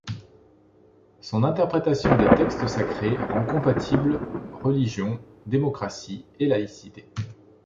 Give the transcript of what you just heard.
Son interprétation des textes sacrés rend compatible religion, démocratie et laïcité.